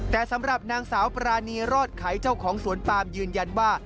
แต่สำหรับนางสาวปรานีรอดไขเจ้าของสวนปามยืนยันว่า